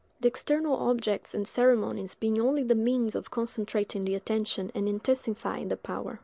The external objects and ceremonies being only the means of concentrating the attention and intensifying the power.